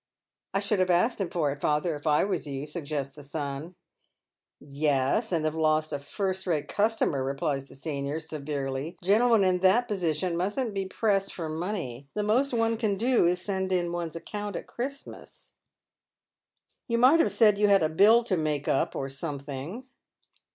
" I should have asked him for it, father, if I was you," sug gests the son. " Yes, and have lost a first rate customer," replies the senior, Beverely. " Gentlemen in that position mustn't be pressed for money. The most one can do is to send in one's account at Christmas." " You might have said you had a bill to make up, or some thing."